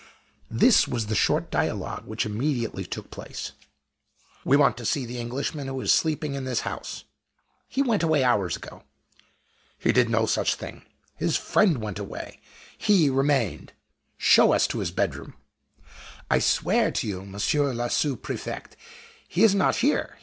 This was the short dialogue which immediately took place: "We want to see the Englishman who is sleeping in this house?" "He went away hours ago." "He did no such thing. His friend went away; he remained. Show us to his bedroom!" "I swear to you, Monsieur le Sous prefect, he is not here!